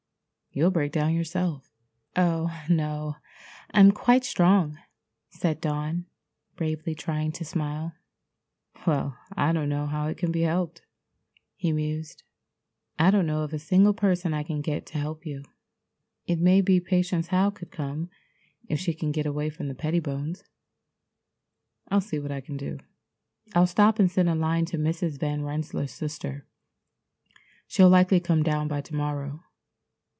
You'll break down yourself." "Oh, no, I'm quite strong," said Dawn, bravely trying to smile. "Well, I don't know how it can be helped," he mused. "I don't know of a single person I can get to help you. It may be Patience Howe could come if she can get away from the Pettibones. I'll see what I can do. I'll stop and send a line to Mrs. Van Rensselaer's sister. She'll likely come down by to morrow.